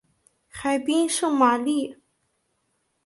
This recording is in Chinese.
海滨圣玛丽。